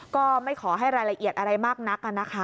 ก็ไม่ขอให้รายละเอียดอะไรมากนักนะคะ